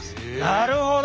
なるほど！